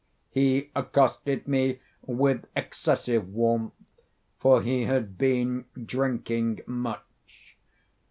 He accosted me with excessive warmth, for he had been drinking much.